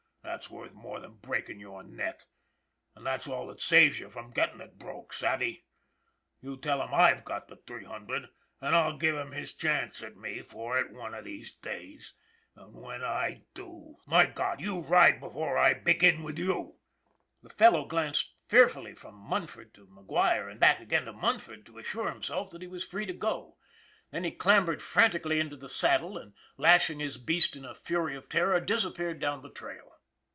That's worth more than breakin' your neck and that's all that saves you from gettin' it broke, savvy? You tell him I've got the three hundred, and I'll give him his chance at me for it one of these days. And when I do My God, you ride before I begin with you!" The fellow glanced fearfully from Munford to McGuire and back again to Munford to assure him self that he was free to go. Then he clambered fran MUNFORD 341 tically into the saddle and lashing his beast in a frenzy of terror disappeared down the trail.